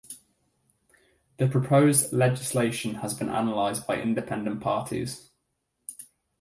The proposed legislation has been analyzed by independent parties.